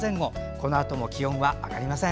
このあとも上がりません。